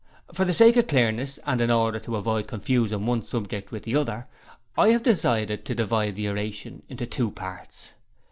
For the sake of clearness, and in order to avoid confusing one subject with another, I have decided to divide the oration into two parts.